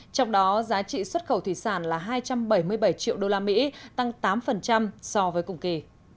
trong đó giá trị xuất khẩu thủy sản là hai trăm bảy mươi bảy triệu đô la mỹ tăng tám so với cùng kỳ